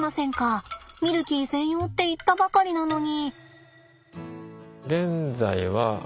ミルキー専用って言ったばかりなのに。